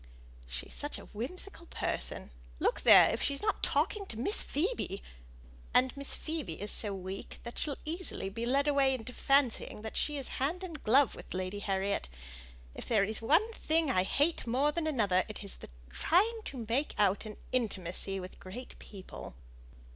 "She's such a whimsical person; look there, if she's not talking to Miss Phoebe; and Miss Phoebe is so weak she'll be easily led away into fancying she is hand and glove with Lady Harriet. If there is one thing I hate more than another, it is the trying to make out an intimacy with great people."